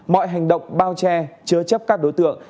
mọi hành động bao che chứa chấp các đối tượng